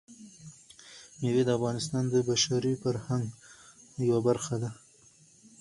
مېوې د افغانستان د بشري فرهنګ برخه ده.